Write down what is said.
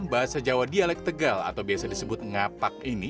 bahasa jawa dialek tegal atau biasa disebut ngapak ini